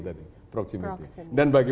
dan bagi mereka itu bisa jadi